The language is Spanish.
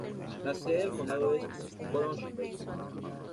La sede del condado es Brownsville.